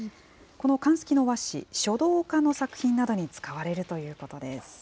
この寒すきの和紙、書道家の作品などに使われるということです。